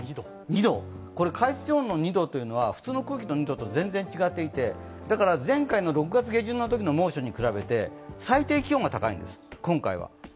これ、海水温の２度というのは普通の空気の２度というのとは全然違っていて、だから前回の６月下旬のときの猛暑と比べて最低気温が高いんです、今回は。